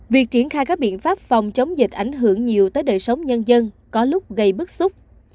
việc triển khai các biện pháp phòng chống dịch ảnh hưởng nhiều tới đời sống nhân dân có lúc gây bức xúc